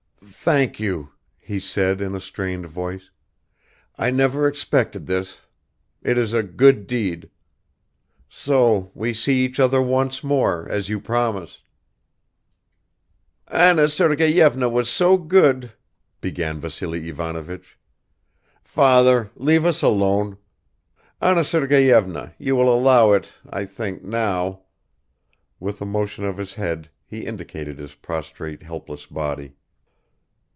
"Thank you," he said in a strained voice; "I never expected this. It is a good deed. So we see each other once more, as you promised." "Anna Sergeyevna was so good ..." began Vassily Ivanovich. "Father, leave us alone ... Anna Sergeyevna, you will allow it, I think, now ..." With a motion of his head he indicated his prostrate helpless body.